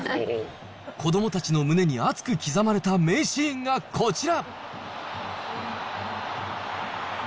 子どもたちの胸に熱く刻まれた名シーンがこちら。